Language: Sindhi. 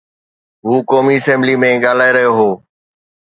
هو قومي اسيمبلي ۾ ڳالهائي رهيو هو.